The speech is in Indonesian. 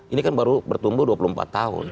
ini kan baru bertumbuh dua puluh empat tahun